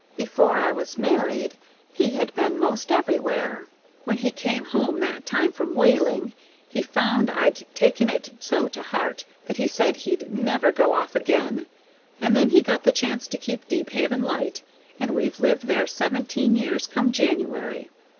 Before I was married he had been 'most everywhere. When he came home that time from whaling, he found I'd taken it so to heart that he said he'd never go off again, and then he got the chance to keep Deephaven Light, and we've lived there seventeen years come January.